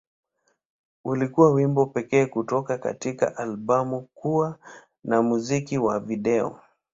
Ulikuwa wimbo pekee kutoka katika albamu kuwa na na muziki wa video.